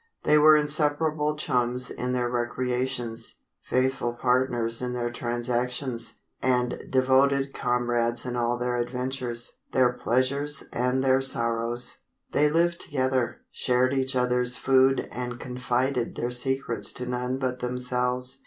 They were inseparable chums in their recreations, faithful partners in their transactions, and devoted comrades in all their adventures, their pleasures and their sorrows. They lived together, shared each other's food and confided their secrets to none but themselves.